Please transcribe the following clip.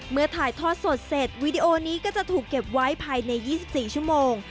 ถ่ายทอดสดเสร็จวีดีโอนี้ก็จะถูกเก็บไว้ภายใน๒๔ชั่วโมง